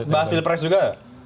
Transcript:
bahas pilpres juga